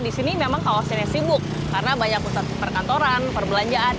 di sini memang kawasannya sibuk karena banyak pusat perkantoran perbelanjaan